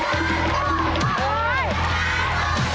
เปิดมาอีกสัตว์